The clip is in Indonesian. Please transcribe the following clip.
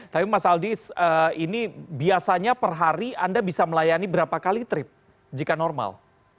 tapi mas aldi ini biasanya per hari anda bisa melayani berapa kali trip jika normal